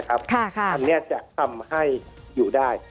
อันนี้จะทำให้อยู่ได้